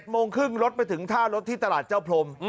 โมงครึ่งรถไปถึงท่ารถที่ตลาดเจ้าพรม